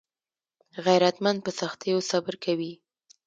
غیرتمند په سختیو صبر کوي